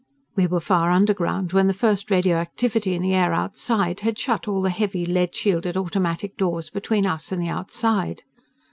We were far underground when the first radioactivity in the air outside had shut all the heavy, lead shielded automatic doors between us and the outside.